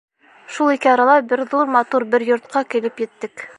Шул ике арала беҙ ҙур матур бер йортҡа килеп еттек.